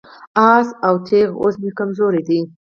آس او تیغ هوس مې کمزوري ده.